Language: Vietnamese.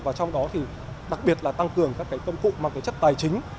và trong đó thì đặc biệt là tăng cường các cái công cụ mang cái chất tài chính